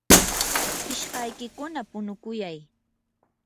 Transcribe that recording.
ishkaykikuna punukuyay.